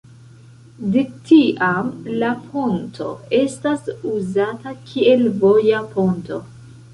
De tiam la ponto estas uzata kiel voja ponto.